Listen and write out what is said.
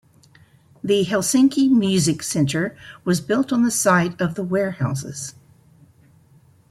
The Helsinki Music Centre was built on the site of the warehouses.